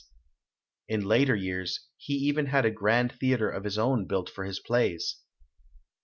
In later years, he even had a grand theatre of his own built for his plays.